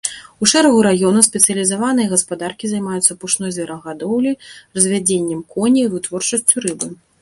У шэрагу раёнаў спецыялізаваныя гаспадаркі займаюцца пушной зверагадоўляй, развядзеннем коней, вытворчасцю рыбы.